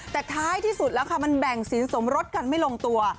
แต่ท้ายที่สุดแล้วค่ะมันแบ่งสินสมรสกันไม่ลงตัว